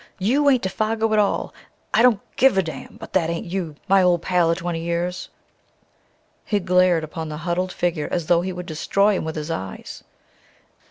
You ain't Défaygo at all! I don't give a damn, but that ain't you, my ole pal of twenty years!" He glared upon the huddled figure as though he would destroy him with his eyes.